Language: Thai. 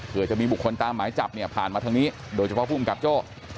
เพื่อจะมีบุคคลตามหมายจับเนี่ยผ่านมาทางนี้โดยเฉพาะภูมิกับโจ้